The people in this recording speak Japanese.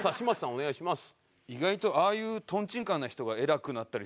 お願いします。